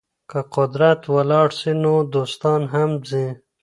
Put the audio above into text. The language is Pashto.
که قدرت ولاړ سي نو دوستان هم ځي.